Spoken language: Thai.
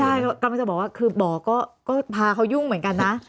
ใช่ก็ไม่ต้องบอกว่าคือบอกก็พาเขายุ่งเหมือนกันนะ